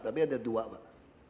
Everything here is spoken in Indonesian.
tapi ada dua pak